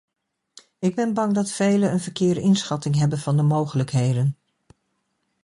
Ik ben bang dat velen een verkeerde inschatting hebben van de mogelijkheden.